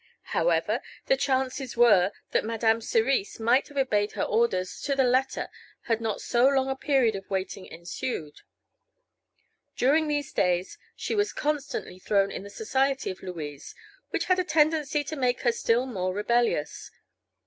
However, the chances were that Madame Cerise might have obeyed her orders to the letter had not so long a period of waiting ensued. During these days she was constantly thrown in the society of Louise, which had a tendency to make her still more rebellious.